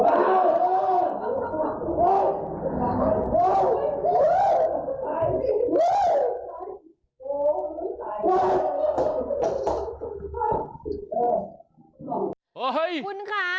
เอาหมี่เปลี่ยนของเกรงไตร